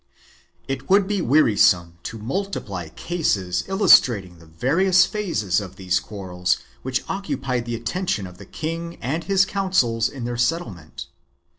It would be wearisome to multiply cases illustrating the various phases of these quarrels which occupied the attention of the king and his councils in their settlement.